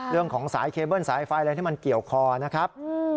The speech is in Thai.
เรื่องของสายเคเบิ้ลสายไฟอะไรที่มันเกี่ยวคอนะครับ